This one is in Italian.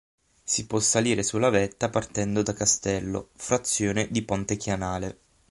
Si può salire sulla vetta partendo da Castello frazione di Pontechianale.